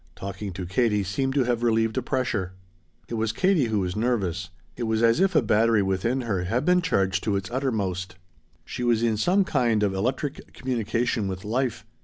Talking to Katie seemed to have relieved a pressure. It was Katie who was nervous. It was as if a battery within her had been charged to its uttermost. She was in some kind of electric communication with life.